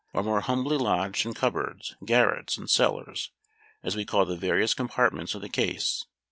are more humbly lodged in cupboards, garrets, and cellars, as we call the various compartments of the case.